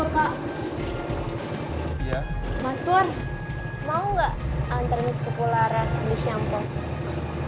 mas pur mau ga antre miss ke pularas beli shampoo